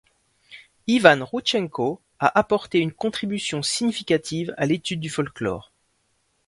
Ivan Roudtchenko a apporté une contribution significative à l'étude du folklore.